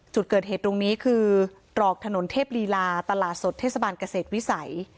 จุดเกิดเหตุตรงนี้คือตรอกถนนเทพลีลาตลาดสดเทศบาลเกษตรวิสัย